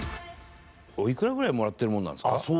おいくらぐらいもらってるものなんですか？